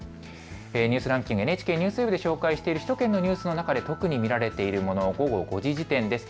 ニュースランキングＮＨＫＮＥＷＳＷＥＢで紹介している首都圏のニュースの中で特に見られているもの、午後５時時点です。